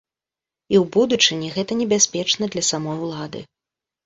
І ў будучыні гэта небяспечна для самой улады.